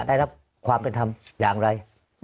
ได้รับความกันทำอย่างไร